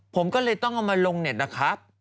ผมก็เลยต้องเอามาลงเน็ตนะครับ